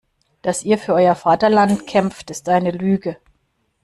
Dass ihr für euer Vaterland kämpft, ist eine Lüge.